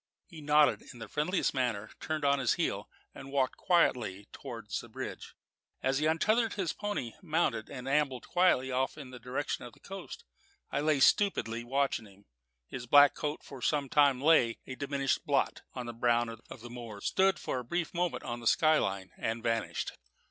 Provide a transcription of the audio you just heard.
He nodded in the friendliest manner, turned on his heel, and walked quietly towards the bridge. As he untethered his pony, mounted, and ambled quietly off in the direction of the coast, I lay stupidly watching him. His black coat for some time lay, a diminishing blot, on the brown of the moors, stood for a brief moment on the sky line, and vanished.